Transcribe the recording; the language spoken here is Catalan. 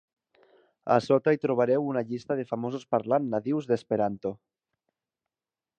A sota hi trobareu una llista de famosos parlants nadius d'esperanto.